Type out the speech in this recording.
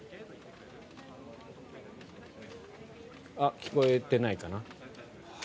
聞こえていないかな。